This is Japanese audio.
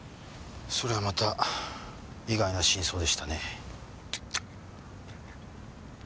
それはまた意外な真相でしたね。